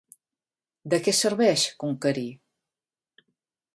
De què serveix conquerir?